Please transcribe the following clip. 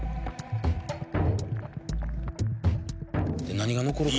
何が残るかや。